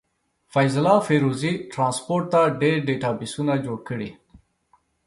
فيض الله فيروزي ټرانسپورټ ته ډير ډيټابسونه جوړ کړي.